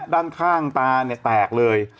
ด้านข้างตาเนี่ยแตกเลย